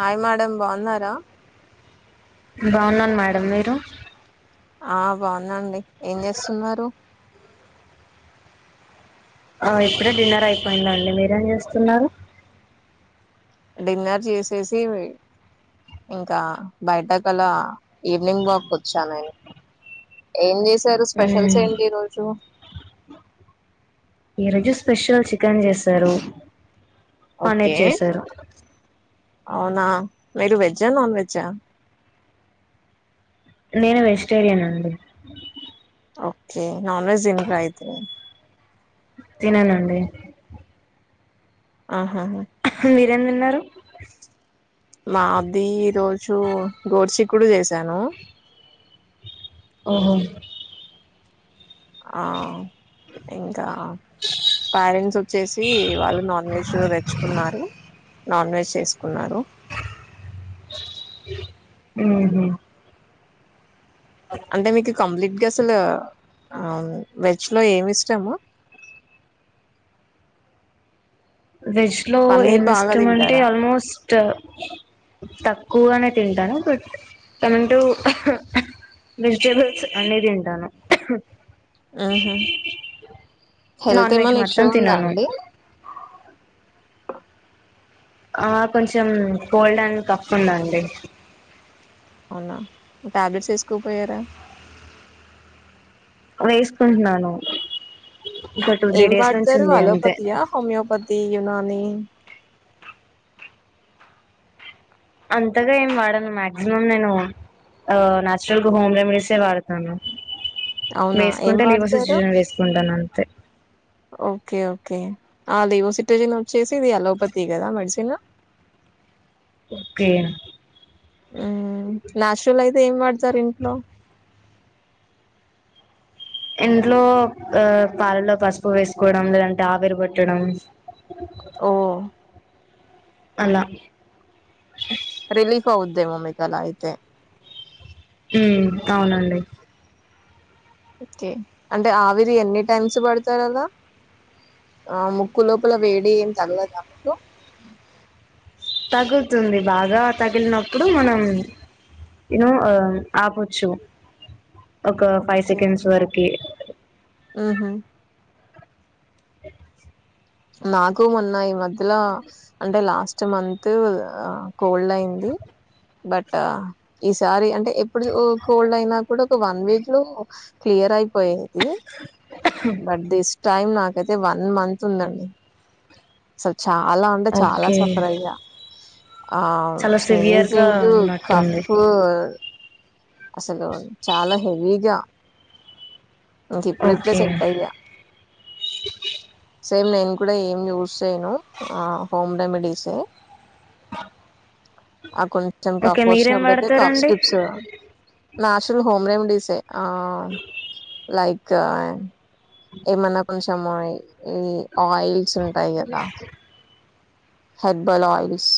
hi madam బాగున్నారా బాగున్నాను madam మీరు ఆ బాగునాండి ఏం చేస్తున్నరు ఆ ఇప్పుడే డిన్నర్ అయిపోయిందండి మీరేం చేస్తున్నరు డిన్నర్ చేసేసి ఇంకా బయటకలా ఈవినింగ్ వాక్ వచ్చా నేను ఏం చేసారు స్పెషల్స్ మ్మ్ ఏంటి ఈ రోజు ఈ రోజు స్పెషల్ చికెన్ చేశారు పన్నీర్ ఓకే చేశారు అవునా మీరు వెజ్జా నాన్ వెజ్జా నేను వెజిటేరియన్ అండి ఓకే నాన్ వెజ్ తినరా అయితే తిననండి ఆహా మీరేం తిన్నరు మాది ఈ రోజు గోరిచిక్కుడు చేసాను ఓహో ఆ ఇంకా పేరెంట్స్ వచ్చేసి వాళ్ళు నాన్ వెజ్ తెచ్చుకున్నారు నాన్ వెజ్ చేసుకున్నారు ఉహు అంటే మీకు కంప్లీట్ గ అసలు వెజ్ లో ఏమిష్టము వెజ్ లో పన్నీర్ బాగా ఏమిష్టం అంటే తింటారా ఆల్మోస్ట్ తక్కువగానే తింటాను బట్ తింటూ వెజిటెబుల్స్ అన్నీ తింటాను ఉహు హెల్త్ నాన్ వెజ్ ఏమన్న ఇష్యూ మాత్రం ఉందా తినను అండి ఆ కొంచెం కోల్డ్ అండ్ కాఫ్ ఉందండి అవునా టాబ్లెట్స్ వేసుకోపోయారా వేసుకుంటున్నాను ఒక టూ త్రీ ఏం డేస్ నుంచి వాడతరు ఉంది అంతే అలోపతియా హోమియోపతి యునాని అంతగా ఏం వాడను మాక్సిమం నేను ఆ నాచురల్ హోమ్ రెమెడీసే వాడతాను అవునా ఏం వేసుకుంటే లివో వాడతారు సిట్రిజన్ వేసుకుంటాను అంతే ఓకే ఓకే ఆ లీవోసిట్రజిన్ వచ్చేసి ఇది అలోపతి కదా మెడిసిన్ ఓకే ఉ నాచురల్ అయితే ఏం వాడతారు ఇంట్లో ఇంట్లో ఆ పాలల్లో పసుపు వేసుకోవడం లేదంటే ఆవిరిపట్టడం ఓ అలా రిలీఫ్ అవుద్దెయో మికలా అయితే ఉమ్ అవునండి ఓకే అంటే ఆవిరి ఎన్ని టైమ్స్ పడతారు అల ఆ ముక్కు లోపల వేడి ఏం తగలదా మీకు తగులుతుంది బాగా లా తగిలినప్పుడు మనం యునో ఆపచ్చు ఒక ఫైవ్ సెకండ్స్ వరకి మ్ హు నాకు మొన్న ఈ మధ్యల అంటే లాస్ట్ మంత్ ఆ కోల్డ్ అయింది బట్ ఈసారి అంటే ఎప్పుడు కోల్డ్ అయినా కూడా ఒక వన్ వీక్ లో క్లీ యర్ అయిపోయేది బట్ దిస్ టైమ్ నాకైతే వన్ మంత్ ఉందండి అసలు చాలా ఉంటే చాలా ఓకే సఫర్ అయ్యా ఆ చాలా సివియర్ గా స్నీజింగ్ ఉన్నట్టుంది కఫ్ అసలు చాలా హెవీగా ఇప్పుడు ఇప్పుడే ఓకే సెట్ అయ్యా సేమ్ నేను కూడా ఏం యూస్ చేయ్యను ఆ హోమ్ రెమెడీసే ఆ కొంచెం ఓకే కఫ్ మీరేం వచ్చినప్పుడుయితే కఫ్ వాడతారండి స్ట్రిప్స్ నేచురల్ హోమ్ రెమిడీసే లైక్ ఏమన్నా కొంచెం ఈ ఆయిల్స్ ఉంటాయి కదా herbal oils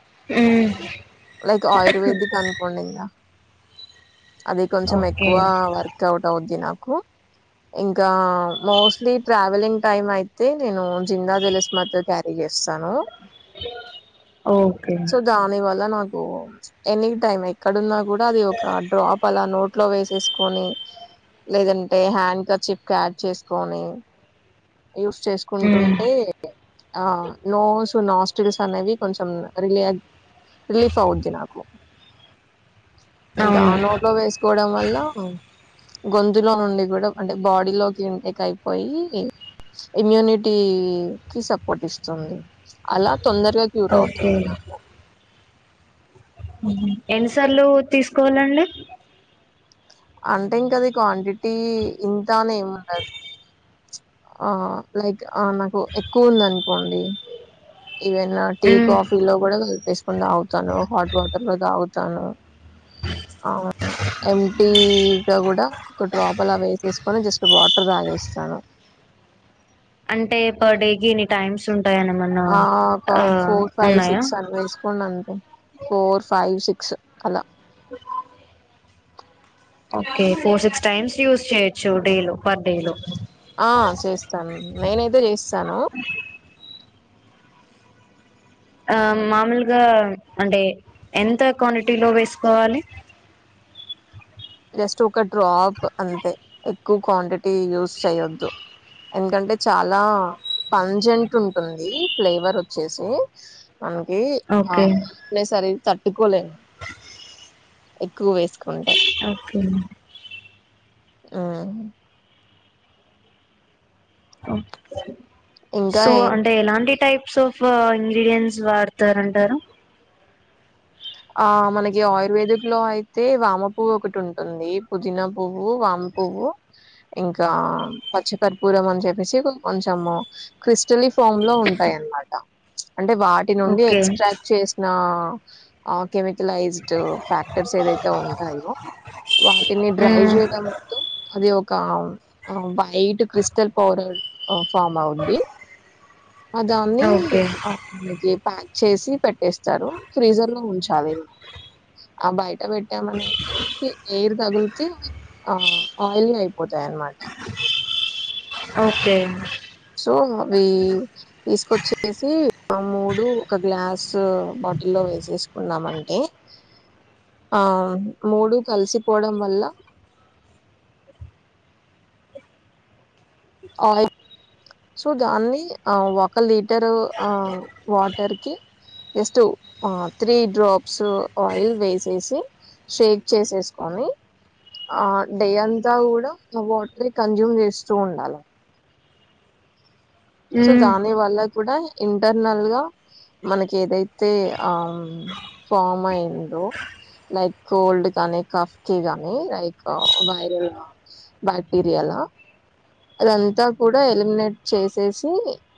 um like ayurvedic అనుకోండి ఇంగ అది కొంచెం ఓకే ఎక్కువ వర్క్ అవుట్ అవుద్ది నాకు ఇంకా మోస్ట్లీ ట్రావెలింగ్ టైమ్ అయితే నేను జింద జిలిస్ మాత్ర క్యారీ చేస్తాను సాను ఓకే సో దాని వల్ల నాకు ఎనీ టైమ్ ఎక్కడున్నా గూడా అది ఒక డ్రాప్ అలా నోట్ లో వేసేసుకొని లేదంటే హ్యాండ్ కర్చిఫ్ క్యారీ చేసుకొని యూస్ మ్మ్ చేసుకుంటుంటే ఆ నోస్ టు నాస్ట్రిల్స్ అనేవి కొంచెం రిలీ రిలీఫ్ అవుద్ది నాకు కా అవును నోట్లో వేసుకోవడం వల్ల గొంతులో నుండి కూడా అంటే బాడీలోకి ఇన్టేక్ అయిపోయి ఇమ్యూనిటీ కి సపోర్ట్ ఇస్తుంది అలా తొందరగా క్యూర్ ఓకే అవుతుంది నాకు ఎన్నిసార్లు తీసుకోవాలండి అంటే ఇంకది క్వాంటిటీ ఇంతనేమి ఉండదు ఆ లైక్ ఆ నాకు ఎక్కువ ఉందినుకోండి ఈవెన్ టీ మ్మ్ కాఫీ లో కూడా కల్పేసుకొని తాగుతాను హాట్ వాటర్ లో తాగుతాను ఆ ఎమ్టీ గ కూడా ఒక డ్రాప్ అలా వేసేసుకొని జస్ట్ వాటర్ తాగేస్తాను అంటే పర్ డే ఇన్ని టైమ్స్ ఉ ఆకా ఫోర్ ఫైవ్ ఉన్నాయా సిక్స్ అని వేసుకోండి అంతే ఫోర్ ఫైవ్ సిక్ క్సు అలా బే okay four six times use చేయొచ్చు డే లో పర్ డే లో ఆ చేస్తాను నేనైతే చేస్తాను ఆ మామూలుగా అంటే ఎంత క్వాంటిటీలో వేసుకోవాలి జస్ట్ ఒక డ్రాప్ అంతే ఎక్కువ క్వాంటిటీ యూస్ చేయొద్దు ఎందుకంటే చాలా పంజెంట్ ఉంటుంది ఫ్లేవర్ వచ్చేసి మనకి ఆ ఓకే అయి సరి తట్టుకోలేం ఎక్కువ వేసుకుంటే ఉమ్ ఉమ్ అబ్బ ఇంకా సో ఏం అంటే ఎలాంటి టైప్ స్ ఆఫ్ ఇంగ్రీడియంట్స్ వాడతారంటారు ఆ మనకి ఆయుర్వేదిక్ లో అయితే వామ పువ్వు ఒకటి ఉంటుంది పుదీ పువ్వు వామ పువ్వు ఇంకా పచ్చి కర్పూరం అని చెప్పేసి కొంచెము క్రిస్టల్ ఫామ్ లో ఉంటాయి ఉంటాయి అన్నమాట అంటే వాటి నుండి ఓకే ఎక్టట్ చేసిన ఆ కెమిక లైజ్డ్ ఫ్యాక్టర్స్ ఏదైతే ఉంటాయో వాటిని డ్రై మ్మ్ చేయడంతో అది ఒ ఒక వైట్ క్రిస్టల్ పౌడర్ ఫామ్ అవుంది అ దాన్ని ఓకే ఆ మనకి ప్యాక్ చేసి పెట్టేస్తారు ఫ్రీజర్ లో ఉంచాలి ఆ బయట పెట్టామని ఎయిర్ తగిలితే ఆ ఆయిలీ అయిపోతది న్మాట ఓకే సో అవి తీసుకొచ్చేసి ఆ మూడు ఒక గ్లాస్ యిల్లో వేసేసుకున్నామంటే ఆ మూడు కలిసిపోవడం వల్ల ఆయిల్ సో దాన్ని ఆ ఒక లీటరు ఆ వాటర్ కి జస్ట్ ఆ త్రీ డ్రాప్స్ ఆయిల్ వేసేసి షేక్ చేసేసుకొని ఆ డే అంతా కూడా వాటర్ ని కన్జ్యూమ్ చేస్తూ ఉండాలి సో మ్మ్ దాని వల్ల కూడా ఇంటర్నల్ గా మనకి ఏదైతే ఆ ఫార్మ్ అయిందో లైక్ కోల్డ్ గాని కఫ్క గాని లైక్ వైరల్ బ్యాక్టీరియాల అదంతా కూడా ఎలిమినేట్ చేసేసి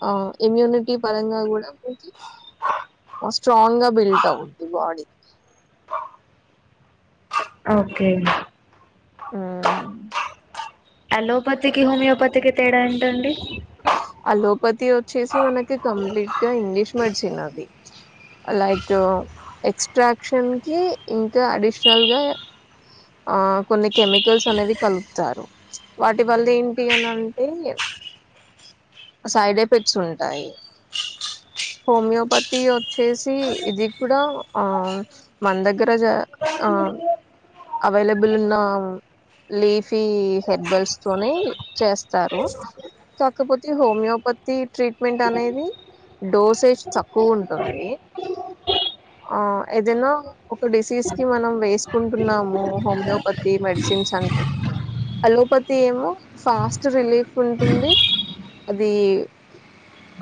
ఆ ఇమ్యూనిటీ పరంగా కూడా మన స్ట్రాంగ్ గా బిల్డ్ అవుద్ది బాడీకి ఓకే హ్మ్ అలోపతికి హోమియోపతికి తేడా ఏంటండి అలోపతి వచ్చేసి మనకి కంప్లీట్ గా ఇంగ్లీష్ మెడిసిన్ అది లైక్ ఎక్స్ట్రాక్షన్ కి ఇంకా అడిషనల్ గా ఆ కొన్ని కెమికల్స్ అనేవి కలుపుతారు వాటి వల్ల ఏంటి అని అంటే సైడ్ ఎఫెక్ట్స్ ఉంటాయి హోమియోపతి వచ్చేసి ఇది కూడా ఆ మన దగ్గర జ ఆ అవైలబుల్ ఉన్నా లీఫీ హెడ్బల్స్ తోనే చేస్తారు కాకపోతే హోమియోపతి ట్రీట్మెంట్ అనేది డోసేజ్ తక్కువ ఉంటుంది ఆ ఏదైనా ఒక డిసీజ్ కి మనం వేసుకుంట ంటున్నాము హోమియోపతి మెడిసిన్స్ అంటే అలోపతి ఏమో ఫాస్ట్ రిలీఫ్ ఉంటుంది అదీ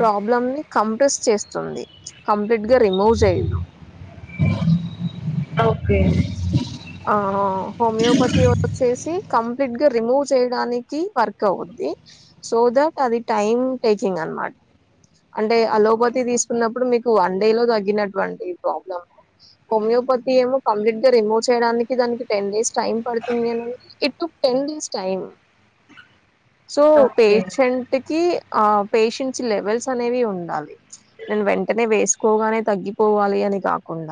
ప్రాబ్లమ్ ని కంప్రెస్ చేస్తుంది కంప్లీట్గ రిమూవ్ జేయ్దు కే ఆ హోమియోపతి ఒచ్చేసి కంప్లీట్గ రిమూవ్ చేయడానికి వర్క్ అవద్ ది సో దట్ అది టైమ్ టేకింగ్ అన్మాట్ అంటే అలోపతి తీస్కున్నప్పుడు మీకు వన్ డే లో దగ్గినటువంటి ప్రాబ్లము హొమియోపతి ఏమో కంప్లిట్గ రిమూవ్ చ్ చేడానికి దానికి టెన్ డేస్ టైం పడ్తుంది అనె ఇటుక్ ten days time so okay పేషంటి కీ ఆ పేషెన్స్ లెవెల్స్ అనేవి ఉండాలి నేన్ వెంటనే వేస్కోగానే తగ్గిపో పోవాలని కాకుండ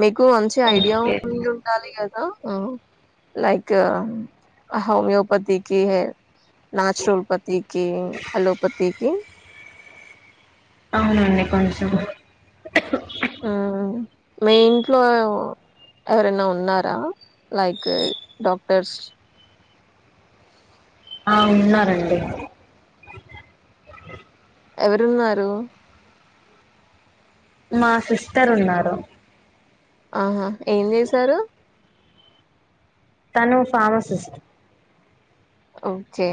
మీకు మంచి ఐడియా ఓకే ఉండుండాలి గదా లైక్ హమియోపథికి హె నాచ్రోల్పతికి, అలోపతికి ఔనండి కొంచం ఆ మీ ఇంట్లో ఎవరైనా ఉన్నార లైక్ డాక్టర్స్ అ ఉన్నారండి ఎవరున్నారు మ సిస్టర్ ఉన్నారు ఆహా ఏం జేసారు తను ఫార్మసిస్ ఒకే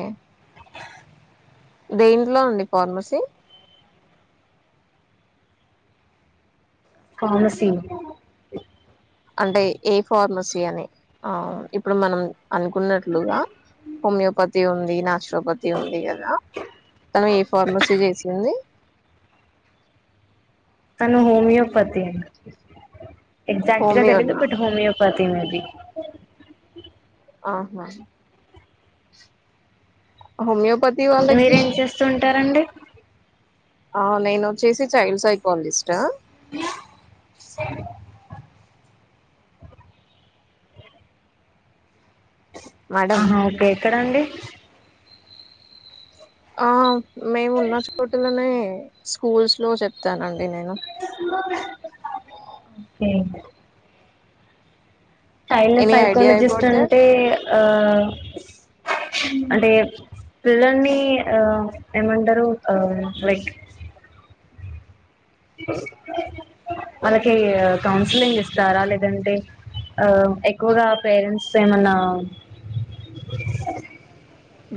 దేంట్లో అండి ఫార్మసీ ఫామసి అంటే ఏ ఫార్మసీ అని అ ఇప్పుడు మనం అనుకున్నట్లుగా హోమియోపతి ఉంది నాచ్రోపతి ఉంది గదా తను ఏ ఫార్మసీ జేసింది తను హోమియోపతి ఎగ్జాక్ట్గ తెలిదు హోమియోనా బట్ హోమియోపతి తినది ఆహా హోమియోపత్ మీరేం చేస్తూంటారండి ఆ నేను ఒచ్చేసి చైల్డ్ సైకాలజిస్ట్ మాడం ఆహా ఓకే ఎక్కడండి ఆ మేమున్న చోటులనే స్కూల్స్ లో చెప్తానండి నేను అ ఆఓ child any idea psychologist about that అంటే ఆ అంటే పిల్లల్నీ ఆ ఏమంటరు ఆ లైక్ వాళ్ళకీ కౌన్సిలింగ్ ఇస్తార లేదంటె ఆ ఎక్కువ్గా పేరెంట్స్త్ ఏమన్నా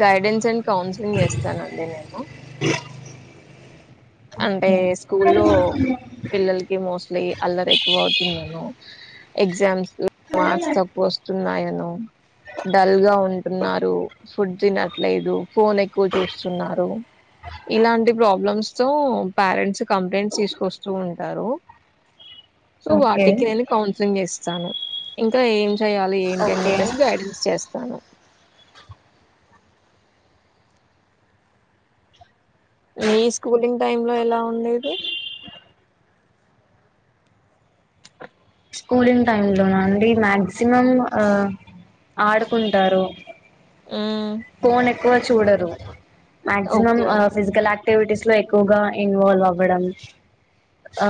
గైడెన్స్ యండ్ కౌన్సిలింగ్ చేస్తానండి నేను అంటే స్కూల్లో పిల్లల్కి మోస్ట్లీ అల్లర్ ఎక్కువౌతుందనో ఎగ్జామ్స్ మా క్స్ తక్కువ ఒస్తున్నాయనొ డల్గా ఉంటున్నారు, ఫుడ్ తినట్లేదు, ఫోనేక్కువ చూస్తున్నారు ఇలాంటి ప్రాబ్లమ్స్ సో పేరెంట్స్ కంప్లైంట్స్ తీసుకొస్తూ ఉంటారు సో ఓకే వార్డ్ కీ నేను కౌన్సిలింగ్ ఇస్తాను ఇంకా ఏం చెయ్యాలి ఏంటి అని ఓకే చెప్పేసి గైడెన్స్ చేస్తా చ్చను మీ స్కూలింగ్ టైమ్ లో ఎలా ఉండేది స్కూలింగ్ టైమ్ లోన అండి మాక్సిమం ఆ ఆడుకుంటారు మ్మ్ ఫోన్ ఎక్కువ చూడరు మాక్సిమం ఓకే ఆ ఫిజికల్ యాక్ట్ యాక్టివిటీస్ లో ఎక్కువగా ఇన్వాల్వ్ అవ్వడం ఆ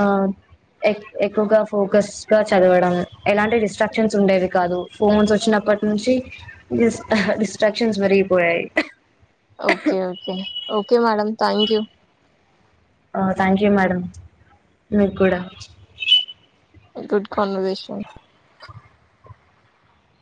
ఎక్ ఎక్కువగా ఫోకస్ గా చదవడం ఎలాంటి రిస్ట్రాక్షన్స్ ఉండేవి కాదు ఫోన్స్ వచ్చిన నప్పటి నుంచి డిస్ డిస్ట్రాక్షన్స్ పెరిగిపోయాయి okay okay okay madam thank you ఆ థ్యాంక్ యూ మేడం మీక్ కూడా గుడ్ కన్వెషన్